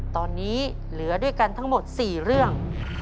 ตอนนี้เหลือด้วยกันทั้งหมด๔เรื่อง